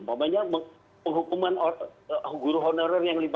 umumnya penghukuman guru honorer yang lima ratus juta